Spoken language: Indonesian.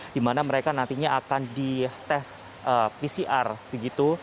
di mana mereka nantinya akan dites pcr begitu